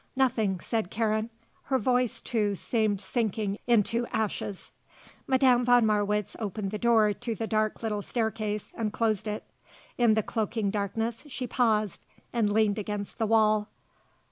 "Nothing," said Karen. Her voice, too, seemed sinking into ashes. Madame von Marwitz opened the door to the dark little staircase and closed it. In the cloaking darkness she paused and leaned against the wall.